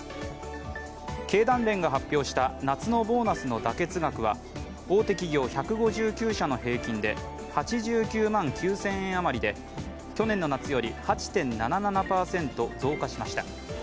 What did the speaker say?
経団連が発表した夏のボーナスの妥結額は大手企業１５９社の平均で８９万９０００円余りで去年の夏より８．７７％増加しました。